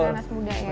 nanas muda ya